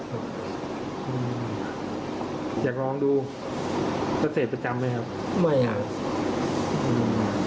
หืมอยากลองดูจะเสพประจำไหมครับไม่ฮะอืม